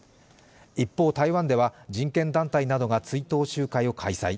一方、台湾では人権団体などが追悼集会を開催。